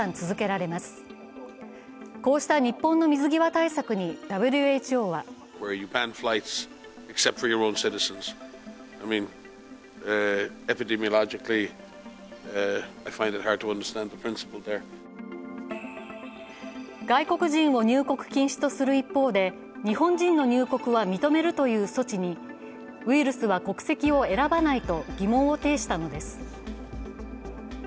こうした日本の水際対策にＷＨＯは外国人を入国禁止とする一方で日本人の入国は認めるという措置に、ウイルスは国籍を選ばないと疑問を呈したのです。